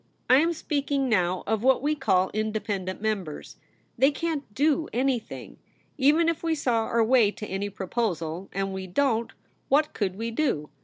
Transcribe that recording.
I am speaking now of what we call independent members. They can't do anything. Even if w^e saw our way to any proposal — and we don't — what could we do ?